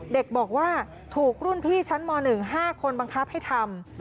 เด็กบอกว่าถูกรุ่นพี่ชั้นม๑๕คนบังคับให้ทำ